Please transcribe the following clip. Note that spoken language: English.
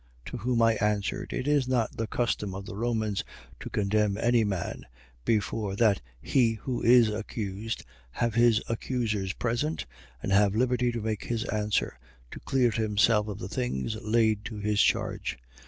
25:16. To whom I answered: it is not the custom of the Romans to condemn any man, before that he who is accused have his accusers present and have liberty to make his answer, to clear himself of the things laid to his charge.